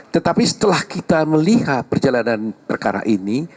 tetapi setelah kita melihat perjalanan perkara ini